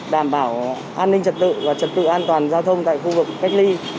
đảm bảo an ninh trật tự và trật tự an toàn giao thông tại khu vực cách ly